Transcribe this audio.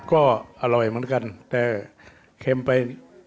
ก็อร่อยเหมือนกันแต่เค็มไป